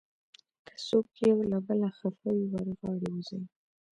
که څوک یو له بله خفه وي، ور غاړې وځئ.